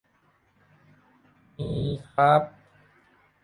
มีครับ